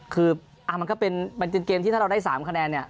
คือมันก็เป็นเกมที่ถ้าเราได้๓คะแนนเนี่ย